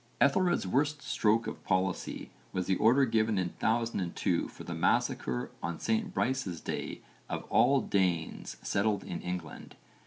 Ethelred's worst stroke of policy was the order given in 1002 for the massacre on St Brice's Day of all Danes settled in England.